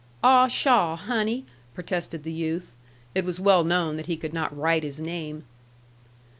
"Ah, pshaw, Honey!" protested the youth. It was well known that he could not write his name.